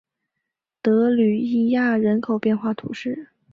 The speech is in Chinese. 德吕伊亚人口变化图示